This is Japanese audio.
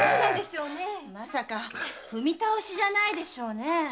まさか踏み倒しじゃないでしょうね。